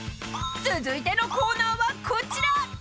［続いてのコーナーはこちら］